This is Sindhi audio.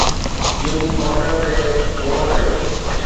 جم ڪورٽر تي غور ڪريو